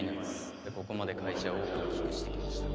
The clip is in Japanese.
でここまで会社を大きくしてきました